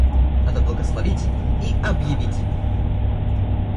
Надо благословить и объявить.